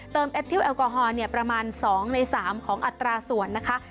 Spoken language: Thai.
แอดทิลแอลกอฮอล์ประมาณ๒ใน๓ของอัตราส่วนนะคะ